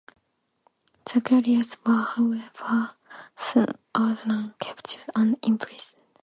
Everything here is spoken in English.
The guerillas were, however, soon overrun captured and imprisoned.